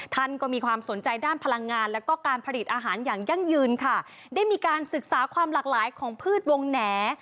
ท่านก็มีความสนใจด้านพลังงานแล้วก็การผลิตอาหารอย่างยั่งยืนค่ะได้มีการศึกษาความหลากหลายของพืชวงแหน่